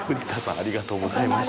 ありがとうございます。